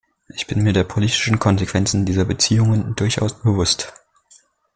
Ich bin mir der politischen Konsequenzen dieser Beziehungen durchaus bewusst.